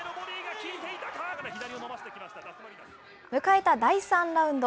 迎えた第３ラウンド。